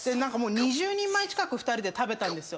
２０人前近く２人で食べたんです。